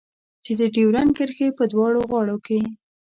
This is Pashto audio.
چې د ډيورنډ کرښې په دواړو غاړو کې.